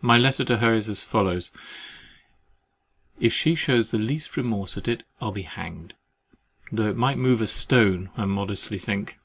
My letter to her is as follows. If she shews the least remorse at it, I'll be hanged, though it might move a stone, I modestly think.